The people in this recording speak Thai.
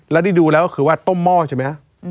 แล้วได้ดูแล้วก็คือว่าต้มหม้อใช่ไหมฮะ